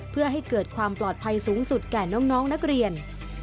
เพื่อให้เกิดความปลอดภัยสูงสุดแก่น้องนักเรียน